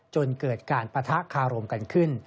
จนเกิดการปะทะคารมกันขึ้น